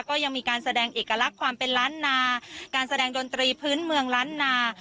ก็ยังมีการแสดงเอกลักษณ์ความเป็นล้านนาการแสดงดนตรีพื้นเมืองล้านนา